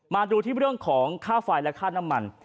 มาดูที่เรื่องของค่าไฟและค่าน้ำมัน